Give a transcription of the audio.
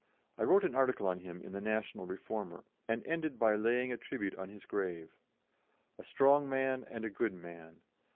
I wrote an article on him in the National Reformer, and ended by laying a tribute on his grave: "A strong man and a good man.